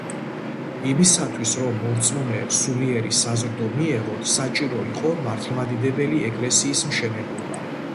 იმისათვის, რომ მორწმუნეებს სულიერი საზრდო მიეღოთ, საჭირო იყო მართლმადიდებელი ეკლესიის მშენებლობა.